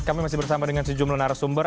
kami masih bersama dengan sejumlah narasumber